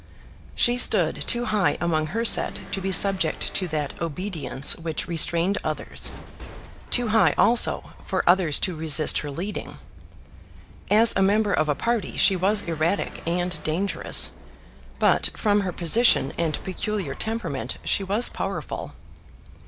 She stood too high among her set to be subject to that obedience which restrained others, too high, also, for others to resist her leading. As a member of a party she was erratic and dangerous, but from her position and peculiar temperament she was powerful.